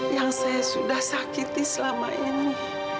yang saya sudah sakiti selama ini